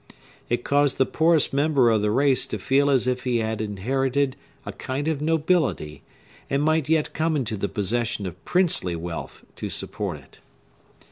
It caused the poorest member of the race to feel as if he inherited a kind of nobility, and might yet come into the possession of princely wealth to support it.